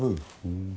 うん？